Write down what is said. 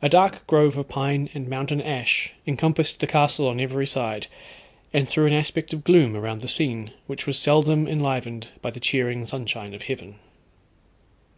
A dark grove of pine and mountain ash encompassed the castle on every side, and threw an aspect of gloom around the scene, which was seldom enlivened by the cheering sunshine of heaven.